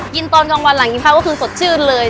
ตอนกลางวันหลังกินข้าวก็คือสดชื่นเลย